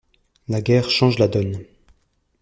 La guerre change la donne.